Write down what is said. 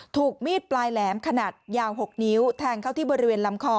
ถูกมีดปลายแหลมขนาดยาว๖นิ้วแทงเข้าที่บริเวณลำคอ